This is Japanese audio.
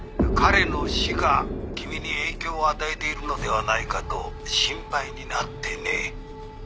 「彼の死が君に影響を与えているのではないかと心配になってね」